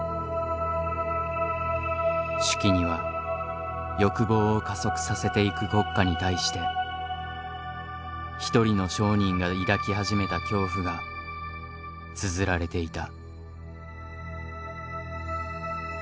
手記には欲望を加速させていく国家に対して一人の商人が抱き始めた恐怖がつづられていた。